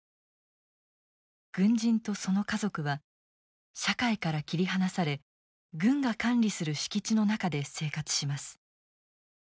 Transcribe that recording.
軍人とその家族は社会から切り離され軍が管理する敷地の中で生活します。